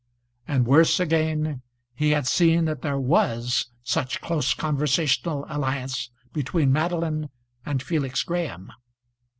And, worse again, he had seen that there was such close conversational alliance between Madeline and Felix Graham.